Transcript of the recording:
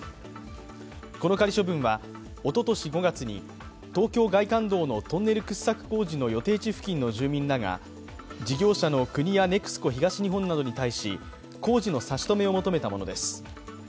この仮処分は、おととし５月に東京外環道のトンネル掘削工事の予定地付近の住民らが事業者の国やＮＥＸＣＯ東日本などに対し工事の差し止めを求めたものです。